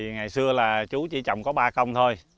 ngày xưa là chú chỉ trồng có ba công thôi